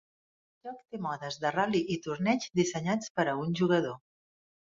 El joc té modes de ral·li i torneig dissenyats per a un jugador.